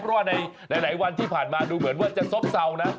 เพราะว่าในหลายวันที่ผ่านมาดูเหมือนว่าจะซบเซานะ